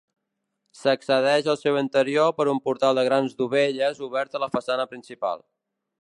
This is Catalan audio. S'accedeix al seu interior per un portal de grans dovelles obert a la façana principal.